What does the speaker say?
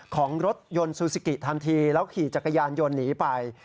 ของรถยนต์ซูซิกิทันทีแล้วขี่จักรยานยนต์หนีไป